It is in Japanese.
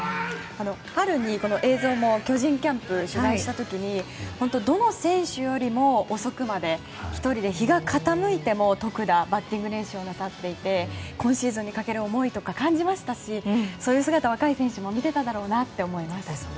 春に巨人キャンプを取材した時にどの選手よりも遅くまで１人で日が傾いても特打、バッティング練習をなさっていて今シーズンにかける思いとかを感じましたしそういう姿を若い選手も見ていたと思います。